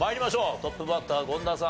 トップバッター権田さん